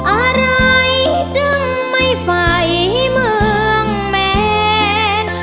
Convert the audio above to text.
อะไรจึงไม่ไฟเมืองแมน